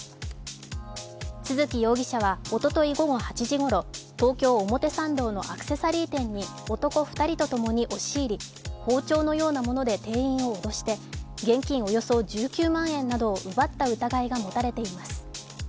都築容疑者はおととい午後８時ごろ東京・表参道のアクセサリー店に男２人とともに押し入り包丁のようなもので店員を脅して現金およそ１９万円などを奪った疑いが持たれています。